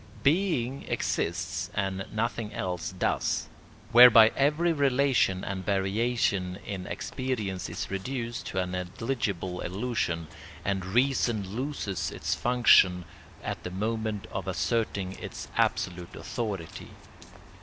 Being exists, and nothing else does; whereby every relation and variation in experience is reduced to a negligible illusion, and reason loses its function at the moment of asserting its absolute authority.